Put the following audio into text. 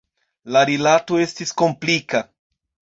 La rilato estis komplika.